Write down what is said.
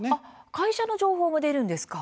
会社の情報も出るんですか。